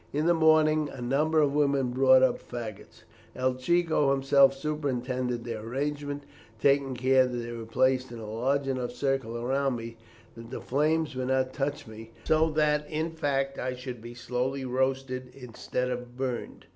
In the morning a number of women brought up faggots. El Chico himself superintended their arrangement, taking care that they were placed in a large enough circle round me that the flames would not touch me; so that, in fact, I should be slowly roasted instead of burned.